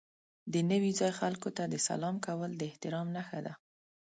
د نوي ځای خلکو ته سلام کول د احترام نښه ده.